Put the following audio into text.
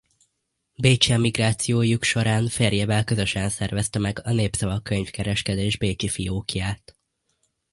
Bécsi emigrációjuk során férjével közösen szervezte meg a Népszava Könyvkereskedés bécsi fiókját.